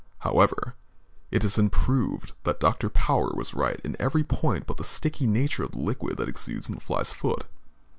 However it has been proved that Dr. Power was right in every point but the sticky nature of the liquid that exudes from the fly's foot.